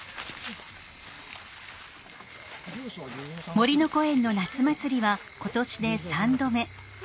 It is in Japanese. もりのこえんの夏祭りは今年で３度目。